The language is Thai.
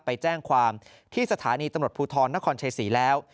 ไปแจ้งความที่สถานีตำรวจภูทรนครชัยศรีแล้ว